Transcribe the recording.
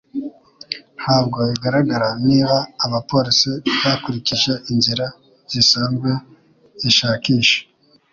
Ntabwo bigaragara niba abapolisi bakurikije inzira zisanzwe zishakisha